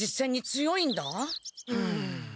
うん。